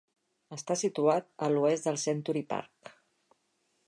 Està situat a l'oest del Century Park.